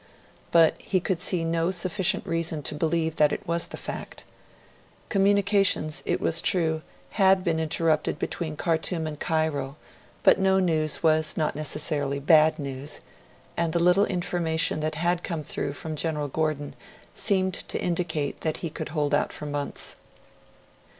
But, he could see no sufficient reason to believe that it was the fact. Communications, it was true, had been interrupted between Khartoum and Cairo, but no news was not necessarily bad news, and the little information that had come through from General Gordon seemed to indicate that he could hold out for months.